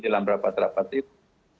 dalam beberapa rapat itu